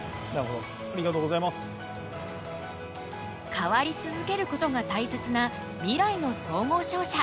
「変わり続ける」ことがたいせつな未来の総合商社。